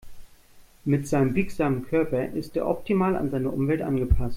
Mit seinem biegsamen Körper ist er optimal an seine Umwelt angepasst.